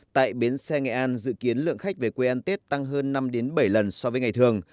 tại bến xe nghệ an dự kiến lượng khách về quê ăn tết tăng hơn năm bảy lần so với ngày thường